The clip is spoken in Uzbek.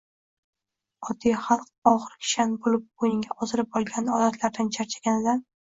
oddiy xalq og‘ir kishan bo‘lib bo‘yniga osilib olgan odatlardan charchaganidan